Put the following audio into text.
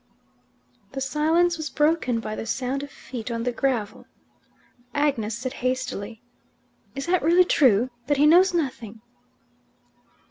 The silence was broken by the sound of feet on the gravel. Agnes said hastily, "Is that really true that he knows nothing?"